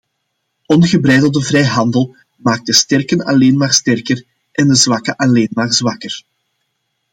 Ongebreidelde vrijhandel maakt de sterken alleen maar sterker en de zwakken alleen maar zwakker.